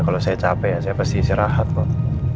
kalau saya capek ya saya pasti istirahat kok